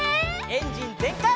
エンジンぜんかい！